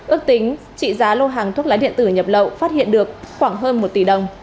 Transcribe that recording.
ước tính trị giá lô hàng thuốc lá điện tử nhập lậu phát hiện được khoảng hơn một tỷ đồng